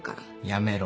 やめろ。